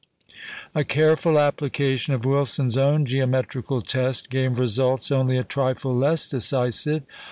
A careful application of Wilson's own geometrical test gave results only a trifle less decisive.